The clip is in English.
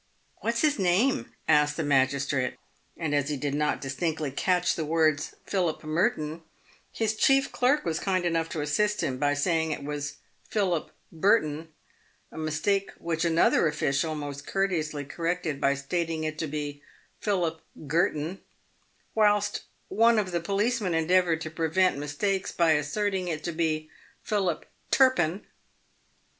" What's his name ?" asked the magistrate. And as he did not distinctly catch the words " Philip Merton," his chief clerk was kind enough to assist him by saying it was Philip Burton, a mistake which another official most courteously corrected by stating it to be "Philip Grurton," whilst one of the policemen endeavoured to prevent mistakes by asserting it to be "Philip Turpen."